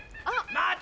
・待て！